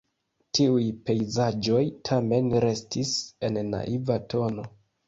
Tiuj pejzaĝoj tamen restis en naiva tono.